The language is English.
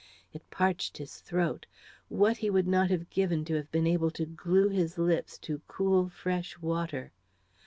It parched his throat. What would he not have given to have been able to glue his lips to cool, fresh water!